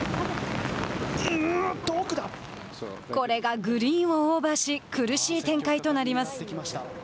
これがグリーンをオーバーし苦しい展開となります。